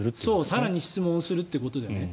更に質問するということですよね。